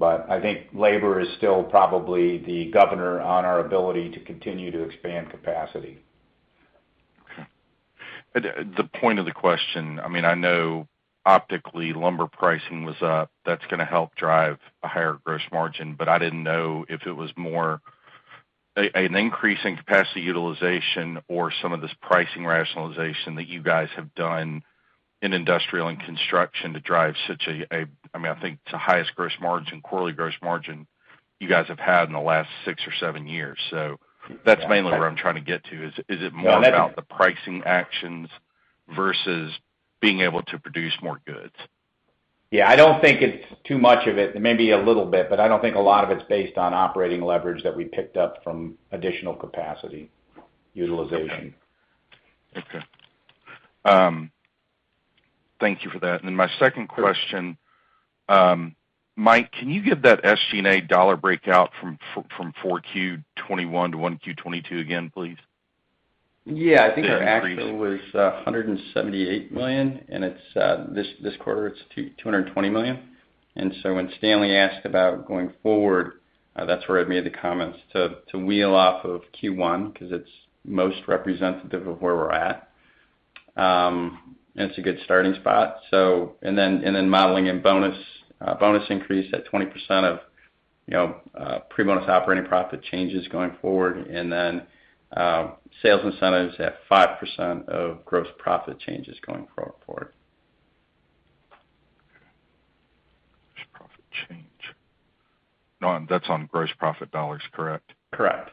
I think labor is still probably the governor on our ability to continue to expand capacity. Okay. The point of the question, I mean, I know optically lumber pricing was up. That's gonna help drive a higher gross margin, but I didn't know if it was more an increase in capacity utilization or some of this pricing rationalization that you guys have done in industrial and construction to drive such a I mean, I think it's the highest gross margin, quarterly gross margin you guys have had in the last 6 or 7 years. So that's mainly where I'm trying to get to is it more about the pricing actions versus being able to produce more goods? Yeah, I don't think it's too much of it. It may be a little bit, but I don't think a lot of it is based on operating leverage that we picked up from additional capacity utilization. Okay. Thank you for that. My second question, Mike, can you give that SG&A dollar breakout from 4Q 2021 to 1Q 2022 again, please? Yeah. I think our actual was $178 million, and it's this quarter $220 million. When Stanley asked about going forward, that's where I made the comments to build off of Q1 because it's most representative of where we're at. It's a good starting spot. Modeling and bonus increase at 20% of pre-bonus operating profit changes going forward, and then sales incentives at 5% of gross profit changes going forward. Gross profit change. No, that's on gross profit dollars, correct? Correct.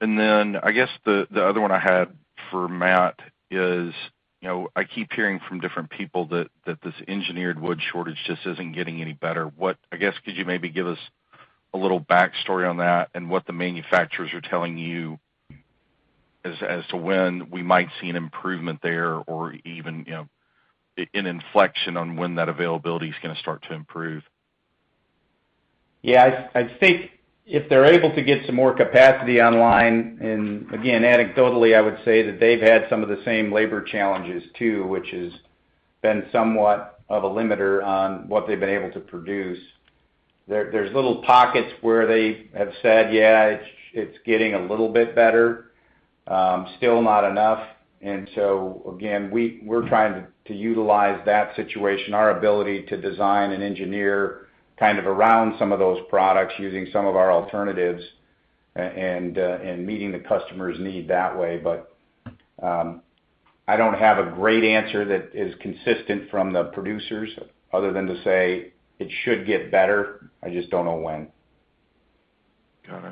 I guess the other one I had for Matt is, you know, I keep hearing from different people that this engineered wood shortage just isn't getting any better. I guess could you maybe give us a little backstory on that and what the manufacturers are telling you as to when we might see an improvement there or even, you know, an inflection on when that availability is gonna start to improve? Yeah. I think if they're able to get some more capacity online, and again, anecdotally, I would say that they've had some of the same labor challenges too, which has been somewhat of a limiter on what they've been able to produce. There's little pockets where they have said, yeah, it's getting a little bit better. Still not enough. Again, we're trying to utilize that situation, our ability to design and engineer kind of around some of those products using some of our alternatives and meeting the customer's need that way. I don't have a great answer that is consistent from the producers other than to say it should get better. I just don't know when. Got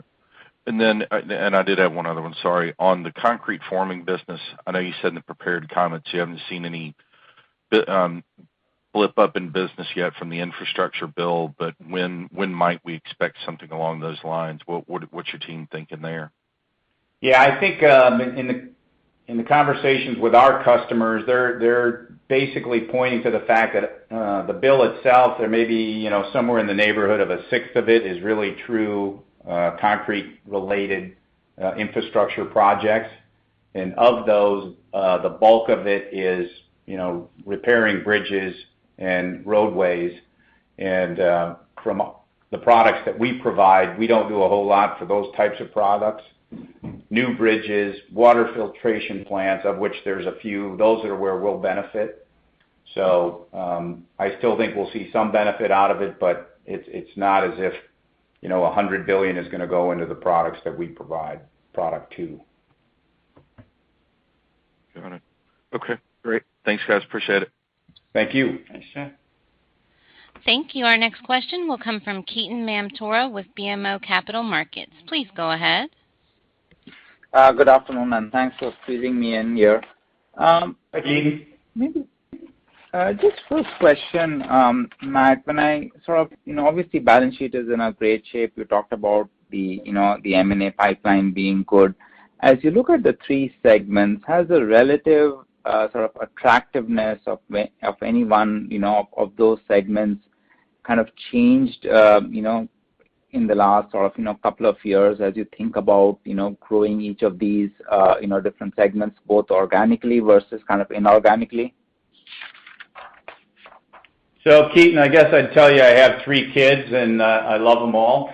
it. I did have one other one, sorry. On the Concrete Forming business, I know you said in the prepared comments you haven't seen any blip up in business yet from the infrastructure bill, but when might we expect something along those lines? What's your team thinking there? Yeah. I think, in the conversations with our customers, they're basically pointing to the fact that, the bill itself or maybe, you know, somewhere in the neighborhood of a sixth of it is really truly concrete-related infrastructure projects. Of those, the bulk of it is, you know, repairing bridges and roadways. From the products that we provide, we don't do a whole lot for those types of products. New bridges, water filtration plants, of which there's a few, those are where we'll benefit. I still think we'll see some benefit out of it, but it's not as if, you know, $100 billion is gonna go into the products that we provide product to. Got it. Okay. Great. Thanks, guys. Appreciate it. Thank you. Thanks, Jay. Thank you. Our next question will come from Ketan Mamtora with BMO Capital Markets. Please go ahead. Good afternoon, and thanks for squeezing me in here. Hi, Ketan. Just first question, Matt, when I sort of. You know, obviously, balance sheet is in a great shape. You talked about the, you know, the M&A pipeline being good. As you look at the three segments, has the relative sort of attractiveness of any one, you know, of those segments kind of changed, you know, in the last couple of years as you think about, you know, growing each of these, you know, different segments, both organically versus kind of inorganically? Ketan, I guess I'd tell you I have three kids, and I love them all.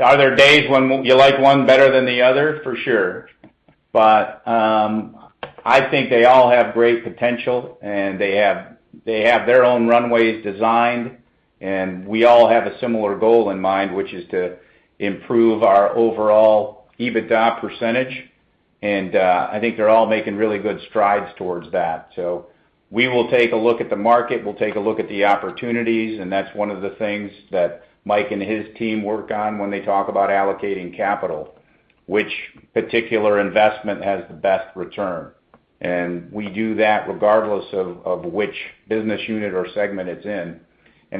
Are there days when you like one better than the other? For sure. I think they all have great potential, and they have their own runways designed, and we all have a similar goal in mind, which is to improve our overall EBITDA percentage. I think they're all making really good strides towards that. We will take a look at the market. We'll take a look at the opportunities, and that's one of the things that Mike and his team work on when they talk about allocating capital, which particular investment has the best return. We do that regardless of which business unit or segment it's in.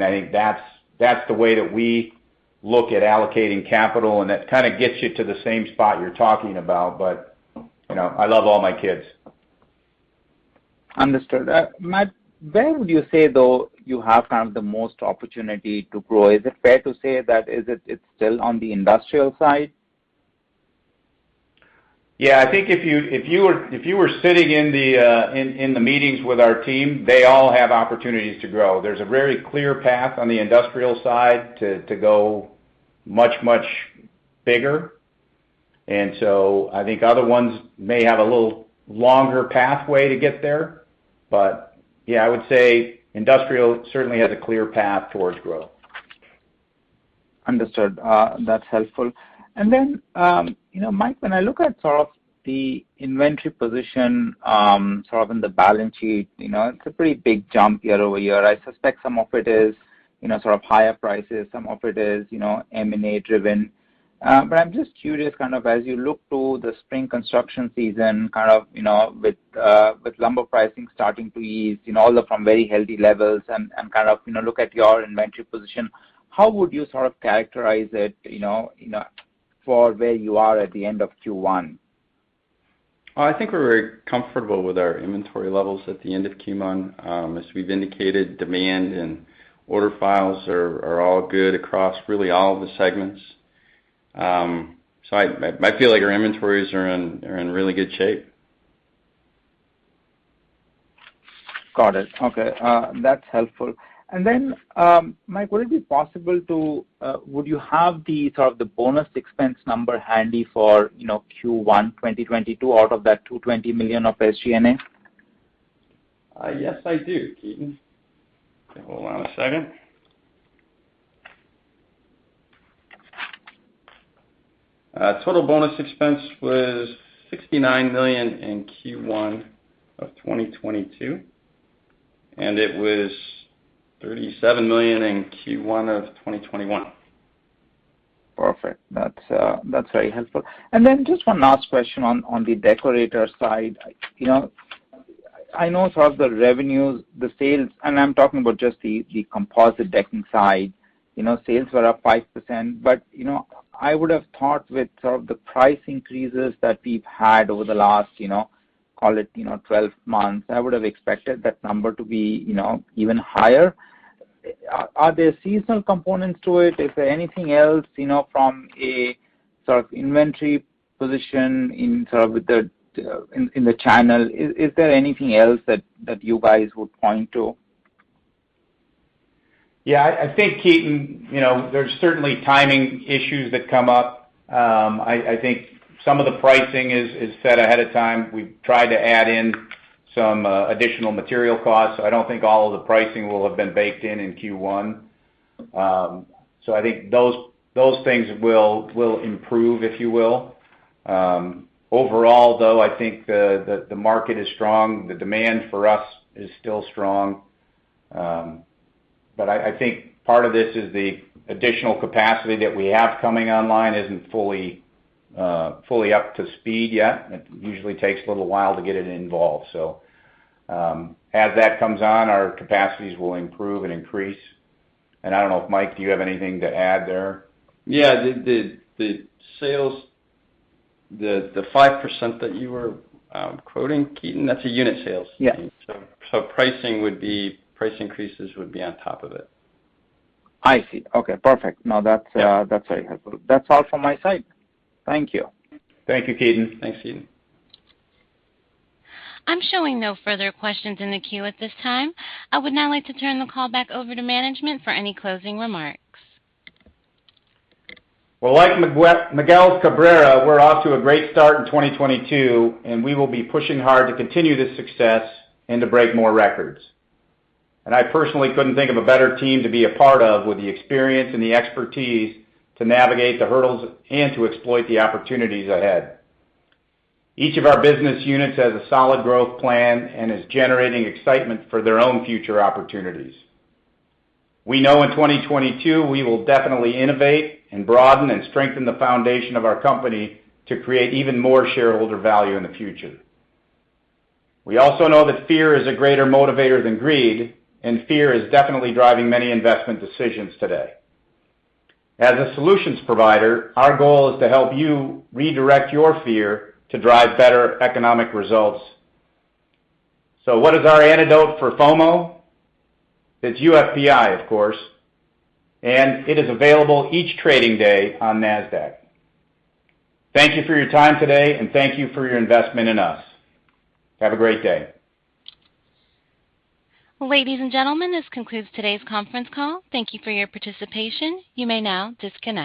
I think that's the way that we look at allocating capital, and that kind of gets you to the same spot you're talking about. You know, I love all my kids. Understood. Matt, where would you say, though, you have kind of the most opportunity to grow? Is it fair to say it's still on the industrial side? Yeah, I think if you were sitting in the meetings with our team, they all have opportunities to grow. There's a very clear path on the industrial side to go much bigger. I think other ones may have a little longer pathway to get there. Yeah, I would say industrial certainly has a clear path towards growth. Understood. That's helpful. You know, Mike, when I look at sort of the inventory position, sort of in the balance sheet, you know, it's a pretty big jump year-over-year. I suspect some of it is, you know, sort of higher prices, some of it is, you know, M&A driven. I'm just curious, kind of as you look to the spring construction season, kind of, you know, with lumber pricing starting to ease, you know, although from very healthy levels and kind of, you know, look at your inventory position, how would you sort of characterize it, you know, for where you are at the end of Q1? Well, I think we're very comfortable with our inventory levels at the end of Q1. As we've indicated, demand and order files are all good across really all of the segments. I feel like our inventories are in really good shape. Got it. Okay, that's helpful. Mike, would you have the bonus expense number handy for, you know, Q1 2022 out of that $220 million of SG&A? Yes, I do, Ketan. Hold on a second. Total bonus expense was $69 million in Q1 of 2022, and it was $37 million in Q1 of 2021. Perfect. That's very helpful. Then just one last question on the Deckorators side. You know, I know sort of the revenues, the sales, and I'm talking about just the composite decking side, you know, sales were up 5%. You know, I would have thought with some of the price increases that we've had over the last, you know, call it, you know, 12-months, I would have expected that number to be, you know, even higher. Are there seasonal components to it? Is there anything else, you know, from a sort of inventory position in sort of the channel? Is there anything else that you guys would point to? Yeah. I think, Ketan, there's certainly timing issues that come up. I think some of the pricing is set ahead of time. We've tried to add in some additional material costs. I don't think all of the pricing will have been baked in in Q1. So I think those things will improve, if you will. Overall, though, I think the market is strong. The demand for us is still strong. But I think part of this is the additional capacity that we have coming online isn't fully up to speed yet. It usually takes a little while to get it involved. As that comes on, our capacities will improve and increase. I don't know if, Mike, do you have anything to add there? Yeah. The sales, the 5% that you were quoting, Ketan, that's unit sales. Yes. Price increases would be on top of it. I see. Okay, perfect. No, that's very helpful. That's all from my side. Thank you. Thank you, Ketan. Thanks, Ketan. I'm showing no further questions in the queue at this time. I would now like to turn the call back over to management for any closing remarks. Well, like Miguel Cabrera, we're off to a great start in 2022, and we will be pushing hard to continue this success and to break more records. I personally couldn't think of a better team to be a part of with the experience and the expertise to navigate the hurdles and to exploit the opportunities ahead. Each of our business units has a solid growth plan and is generating excitement for their own future opportunities. We know in 2022 we will definitely innovate and broaden and strengthen the foundation of our company to create even more shareholder value in the future. We also know that fear is a greater motivator than greed, and fear is definitely driving many investment decisions today. As a solutions provider, our goal is to help you redirect your fear to drive better economic results. What is our antidote for FOMO? It's UFPI, of course, and it is available each trading day on Nasdaq. Thank you for your time today, and thank you for your investment in us. Have a great day. Ladies and gentlemen, this concludes today's conference call. Thank you for your participation. You may now disconnect.